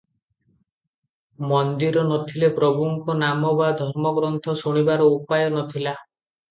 ମନ୍ଦିର ନ ଥିଲେ ପ୍ରଭୁଙ୍କ ନାମ ବା ଧର୍ମଗ୍ରନ୍ଥ ଶୁଣିବାର ଉପାୟ ନ ଥିଲା ।